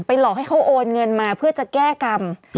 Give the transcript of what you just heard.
หลอกให้เขาโอนเงินมาเพื่อจะแก้กรรม